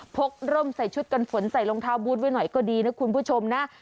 กร่มใส่ชุดกันฝนใส่รองเท้าบูธไว้หน่อยก็ดีนะคุณผู้ชมนะ